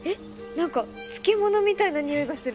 何か漬物みたいなにおいがする。